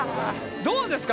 どうですか？